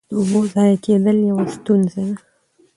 د اوبو ضایع کېدل یوه ستونزه ده.